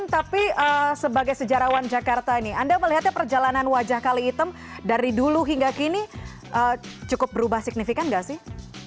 tapi sebagai sejarawan jakarta ini anda melihatnya perjalanan wajah kali item dari dulu hingga kini cukup berubah signifikan nggak sih